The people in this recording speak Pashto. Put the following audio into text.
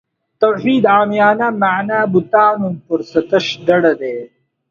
توحید عامیانه معنا بوتانو پرستش ډډه دی.